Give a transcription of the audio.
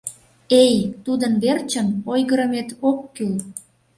Эй, тудын верчын ойгырымет ок кӱл.